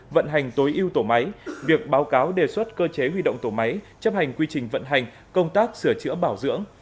vận hành tối ưu tổ máy việc báo cáo đề xuất cơ chế huy động tổ máy chấp hành quy trình vận hành công tác sửa chữa bảo dưỡng